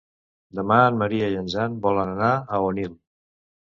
Demà en Maria i en Jan volen anar a Onil.